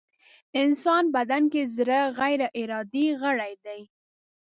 انسان بدن کې زړه غيري ارادې غړی دی.